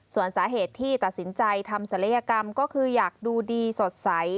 ส่วนสาเหตุที่ตัดสินใจทำศัลยกรรมก็คืออยากดูดีสดใส